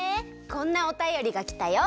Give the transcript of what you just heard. こんなおたよりがきたよ。